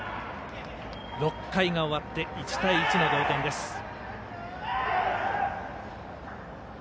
６回が終わって１対１の同点です。